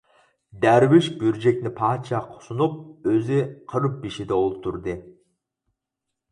دەرۋىش گۈرجەكنى پادىشاھقا سۇنۇپ، ئۆزى قىر بېشىدا ئولتۇردى.